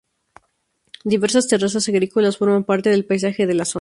Diversas terrazas agrícolas forman parte del paisaje de la zona.